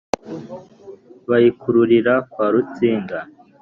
Bayikururira kwa Rutsinga,